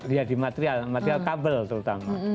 ya di material material kabel terutama